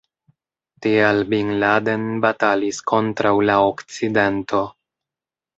Tial Bin Laden batalis kontraŭ la Okcidento.